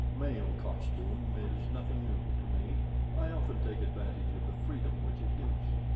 Male costume is nothing new to me. I often take advantage of the freedom which it gives.